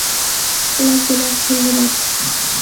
লাগবেনা, ধন্যবাদ।